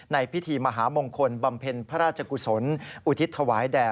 ในพิธีมหามงคลบำเพ็ญพระราชกุศลอุทิศถวายแด่